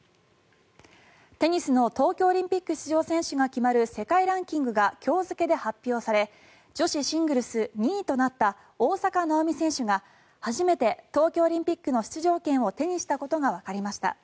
テニスの東京オリンピック出場選手が決まる世界ランキングが今日付で発表され女子シングルス２位となった大坂なおみ選手が、初めて東京オリンピックの出場権を手にしたことがわかりました。